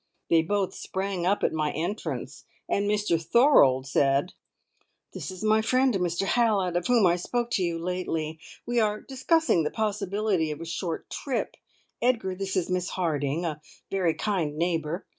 They both sprang up at my entrance, and Mr Thorold said: "This is my friend, Mr Hallett, of whom I spoke to you lately. We are discussing the possibility of a short trip. Edgar, this is Miss Harding, a very kind neighbour.